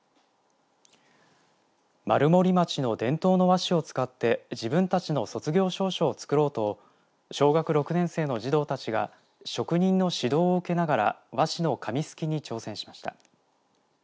丸森町の伝統の和紙を使って自分たちの卒業証書を作ろうと小学６年生の児童たちが職人の指導を受けながら和紙の紙すきに挑戦しました。